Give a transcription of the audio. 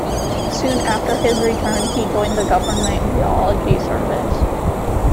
Soon after his return, he joined the government geology service.